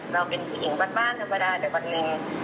เราเป็นผิวหญิงบ้านบ้านธรรมดาแบบวันนึง